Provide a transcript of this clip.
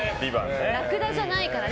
ラクダじゃないからね。